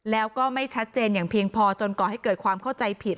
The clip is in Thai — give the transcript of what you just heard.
แล้วก็ไม่ชัดเจนอย่างเพียงพอจนก่อให้เกิดความเข้าใจผิด